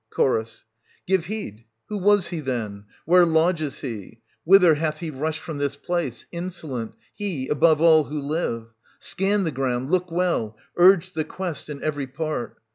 Chorus. Give heed — who was he, then } Where lodges he ?— str. \ whither hath he rushed from this place, insolent, he, 120 above all who live? Scan the ground, look well, urge the quest in every part.